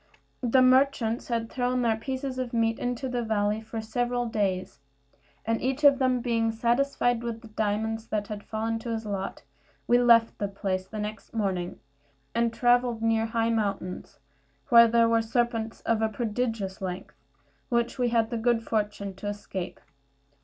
The merchants had thrown their pieces of meat into the valley for several days; and each of them being satisfied with the diamonds that had fallen to his lot, we left the place the next morning, and travelled near high mountains, where there were serpents of a prodigious length, which we had the good fortune to escape.